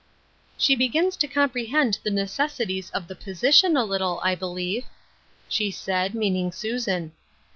" She begins to comprehend the necessities of the position a little, I believe," she said, meaning Susan.